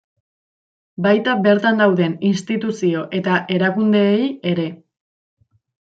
Baita bertan dauden instituzio eta erakundeei ere.